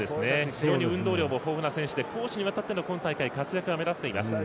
非常に運動量が豊富な選手で攻守にわたって今大会活躍が目立っています。